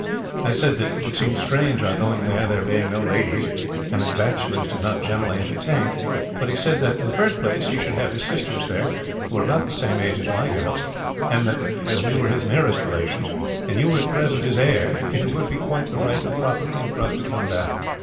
I said that it would seem strange our going there, when there are no ladies, and that bachelors did not generally entertain; but he said that, in the first place he should have his sisters there, who were about the same age as my girls; and that as we were his nearest relations, and you were at present his heir, it would be quite the right and proper thing for us to come down.